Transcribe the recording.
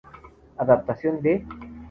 Adaptación de